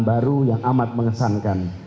baru yang amat mengesankan